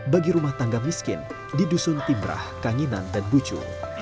bagi rumah tangga miskin di dusun timah kangeninan dan bucu